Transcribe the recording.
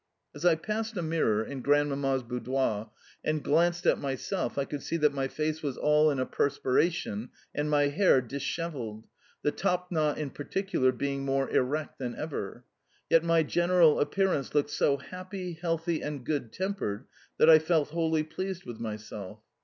As I passed a mirror in Grandmamma's boudoir and glanced at myself I could see that my face was all in a perspiration and my hair dishevelled the top knot, in particular, being more erect than ever. Yet my general appearance looked so happy, healthy, and good tempered that I felt wholly pleased with myself.